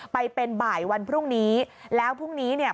ไปเป็นบ่ายวันพรุ่งนี้แล้วพรุ่งนี้เนี่ย